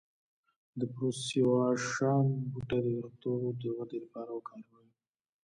د پرسیاوشان بوټی د ویښتو د ودې لپاره وکاروئ